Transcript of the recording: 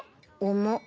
重っ。